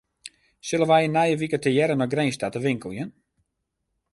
Sille wy nije wike tegearre nei Grins ta te winkeljen?